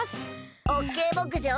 オッケーぼくじょう。